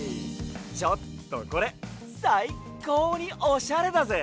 ちょっとこれさいこうにおしゃれだぜ！